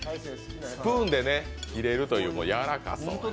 スプーンで切れるというやわらかさ。